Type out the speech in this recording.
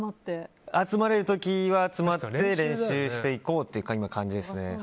集まれる時は集まって練習していこうっていう感じですね。